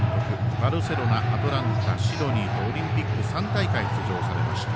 バルセロナ、アトランタシドニーとオリンピック３大会出場されました。